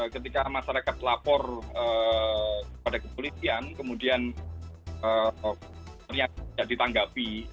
ketika masyarakat lapor kepada kepolisian kemudian pimpinannya menjadi tanggapi